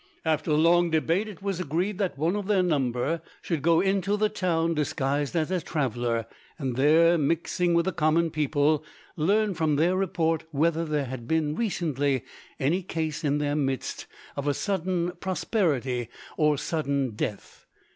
After long debate it was agreed that one of their number should go into the town disguised as a traveller, and there, mixing with the common people, learn from their report whether there had been recently any case in their midst of sudden prosperity or sudden death.